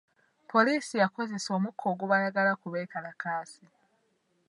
Poliisi yakozesa omukka ogubalagala ku beekalakaasi.